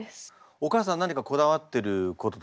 お母さん何かこだわってることとかありますか？